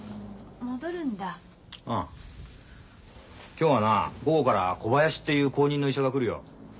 今日はな午後から小林っていう後任の医者が来るよ。